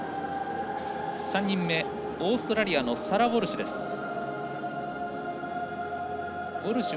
３人目、オーストラリアのサラ・ウォルシュ。